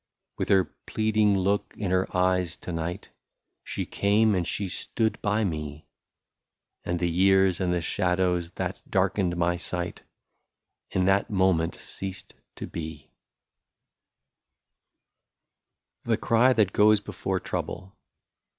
With her pleading look in her eyes to night, She came and she stood by me ; And the years and the shadows that darkened my sight In that moment ceased to be, 96 THE CRY BEFORE TROUBLE.